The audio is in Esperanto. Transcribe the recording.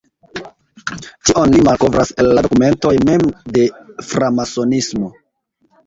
Tion li malkovras el la dokumentoj mem de framasonismo.